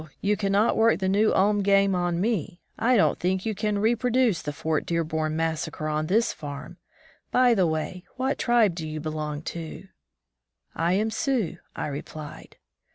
you can not work the New Ulm game on me. I don't think you can repro duce the Fort Dearborn massacre on this farm. By the way, what tribe do you belong to?" I am Sioux," I replied.